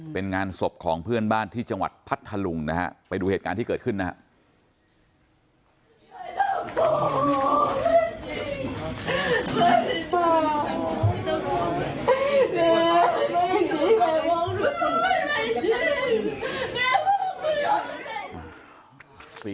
เป็นงานศพของเพื่อนบ้านที่จังหวัดพัทธลุงนะฮะไปดูเหตุการณ์ที่เกิดขึ้นนะครับ